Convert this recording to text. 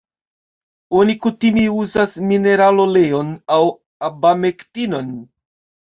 Oni kutime uzas mineraloleon aŭ abamektinon.